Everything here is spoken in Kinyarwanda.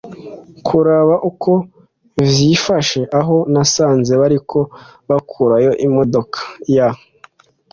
kuraba uko vyifashe aho nasanze bariko bakurayo imodoka ya